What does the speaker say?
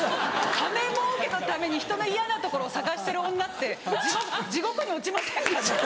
金もうけのためにひとの嫌なところ探してる女って地獄に落ちませんかね。